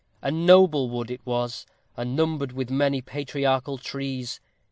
A noble wood it was, and numbered many patriarchal trees.